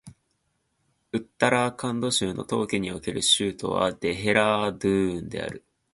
ウッタラーカンド州の冬季における州都はデヘラードゥーンである